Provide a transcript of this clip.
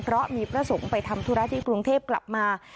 เพราะมีพระสงฆ์ไปทำธุระที่กรุงเทพกลับมา